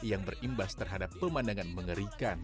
yang berimbas terhadap pemandangan mengerikan